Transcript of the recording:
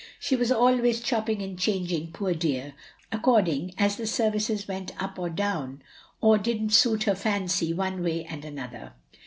She was always chopping and changing, poor dear, according as the services went up or down — or didn't suit her fancy one way and another.